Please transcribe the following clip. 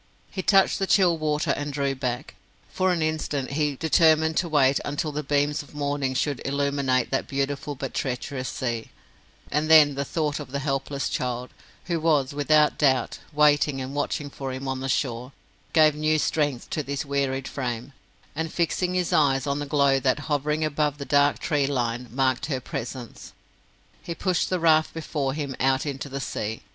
He touched the chill water and drew back. For an instant he determined to wait until the beams of morning should illumine that beautiful but treacherous sea, and then the thought of the helpless child, who was, without doubt, waiting and watching for him on the shore, gave new strength to his wearied frame; and fixing his eyes on the glow that, hovering above the dark tree line, marked her presence, he pushed the raft before him out into the sea.